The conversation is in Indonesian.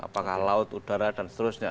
apakah laut udara dan seterusnya